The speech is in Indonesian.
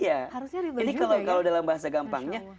harusnya rido juga ya ini kalau dalam bahasa gampangnya